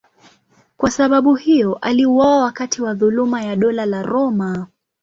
Kwa sababu hiyo aliuawa wakati wa dhuluma ya Dola la Roma.